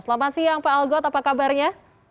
selamat siang pak algot apa kabarnya